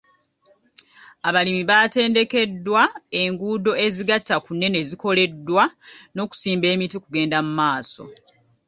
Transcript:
Abalimi baatendekeddwa, enguudo ezigatta ku nnene zikoleddwa, n'okusimba emiti kugenda mu maaso.